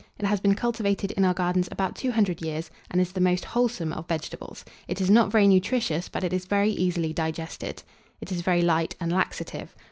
It has been cultivated in our gardens about two hundred years, and is the most wholesome of vegetables. It is not very nutritious, but is very easily digested. It is very light and laxative.